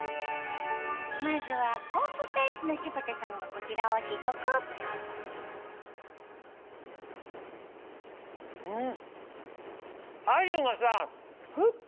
まずは昆布大使の柴田さんがこちらを試食うん！